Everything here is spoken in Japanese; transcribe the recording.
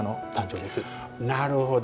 なるほど。